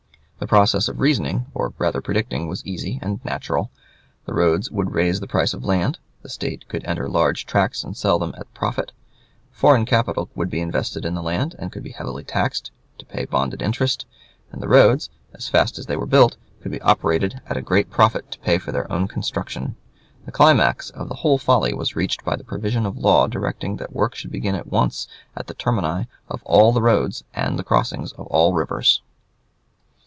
The process of reasoning, or rather predicting, was easy and natural. The roads would raise the price of land; the State could enter large tracts and sell them at a profit; foreign capital would be invested in land, and could be heavily taxed to pay bonded interest; and the roads, as fast as they were built, could be operated at a great profit to pay for their own construction. The climax of the whole folly was reached by the provision of law directing that work should be begun at once at the termini of all the roads and the crossings of all rivers.